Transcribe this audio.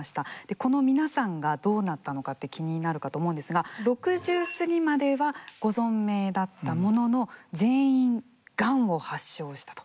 この皆さんがどうなったのかって気になるかと思うんですが６０過ぎまではご存命だったものの全員がんを発症したと。